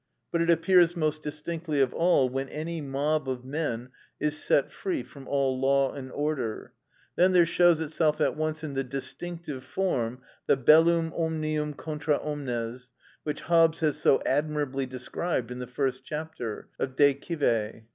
But it appears most distinctly of all when any mob of men is set free from all law and order; then there shows itself at once in the distinctest form the bellum omnium contra omnes, which Hobbes has so admirably described in the first chapter De Cive.